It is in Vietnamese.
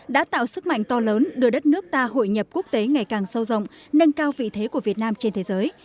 đã tạo sức mạnh to lớn đưa đất nước ta hội nhập quốc tế ngày càng sâu rộng nâng cao vị thế của việt nam trên thế giới